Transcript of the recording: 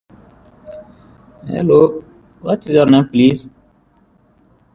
Acker served the British colonial government as collector of Philipsburg Manor in New Netherlands.